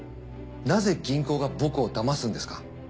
なぜ銀行が僕をだますんですか？